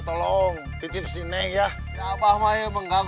tolong titip sini ya apa apa ya mengganggu atau kerja yang mau beres beres itu enggak